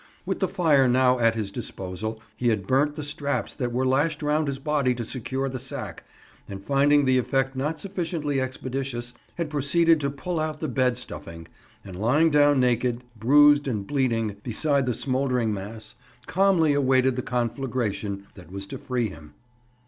With the fire now at his disposal, he had burnt the straps that were lashed round his body to secure the sack, but finding the effect not sufficiently expeditious, had proceeded to pull out the bed stuffing, and lying down naked, bruised, and bleeding, beside the smouldering mass, calmly awaited the conflagration that was to free him.